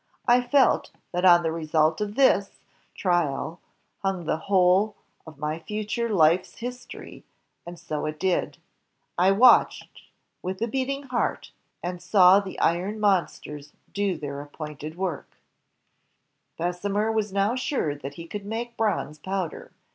... I felt that on the result of this ... trial hung the whole 174 INVENTIONS OF MANUFACTURE AND PRODUCTION of my future life's history, and so it did. ... I watched ... with a beating heart, and saw the iron monsters do their appointed work." Bessemer was now sure that he could make bronze powder.